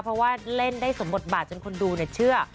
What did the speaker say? เพราะว่าเล่นได้สมบทบาทจนคนดูเชื่อ